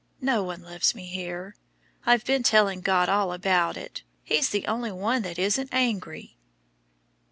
No one loves me here. I've been telling God all about it. He's the only One that isn't angry."